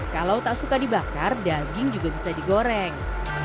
kalau tak suka dibakar daging juga bisa digoreng